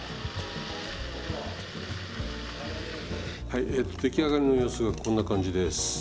はいえと出来上がりの様子がこんな感じです。